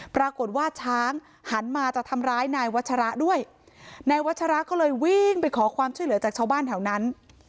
ปรากฏว่าช้างหันมาจะทำร้ายนายวัชระด้วยนายวัชระก็เลยวิ่งไปขอความช่วยเหลือจากชาวบ้านแถวนั้น